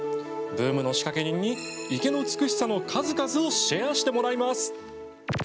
ブームの仕掛け人に池の美しさの数々をシェアしてもらいます。